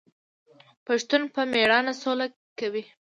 پښتون په میړانه سوله کوي.